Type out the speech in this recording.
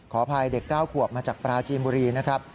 อภัยเด็ก๙ขวบมาจากปราจีนบุรีนะครับ